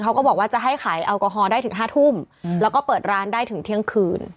เขาก็บอกว่าจะให้ขายแอลกอฮอลได้ถึง๕ทุ่มแล้วก็เปิดร้านได้ถึงเที่ยงคืน